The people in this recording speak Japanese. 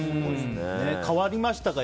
変わりましたか？